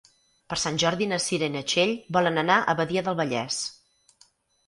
Per Sant Jordi na Cira i na Txell volen anar a Badia del Vallès.